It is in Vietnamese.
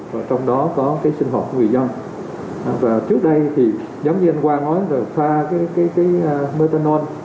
và trong đó có cái sinh hoạt của người dân và trước đây thì giống như anh khoa nói rồi pha cái methanol